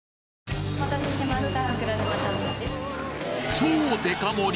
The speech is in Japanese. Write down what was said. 超デカ盛り！